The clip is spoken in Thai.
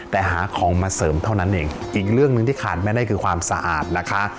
แต่หาของมาเสริมเท่านั้นเองอีกเรื่องหนึ่งที่ขาดไม่ได้คือความสะอาดนะคะ